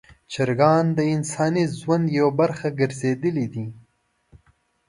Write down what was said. چرګان د انساني ژوند یوه برخه ګرځېدلي دي.